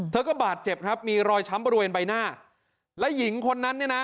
เธอก็บาดเจ็บครับมีรอยช้ำบริเวณใบหน้าและหญิงคนนั้นเนี่ยนะ